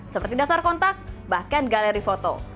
seperti dasar kontak bahkan galeri foto